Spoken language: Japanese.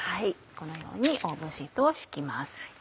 このようにオーブンシートを敷きます。